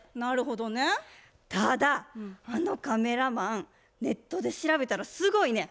ただあのカメラマンネットで調べたらすごいねん。